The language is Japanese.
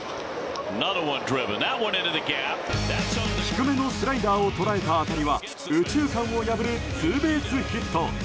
低めのスライダーを捉えた当たりは右中間を破るツーベースヒット。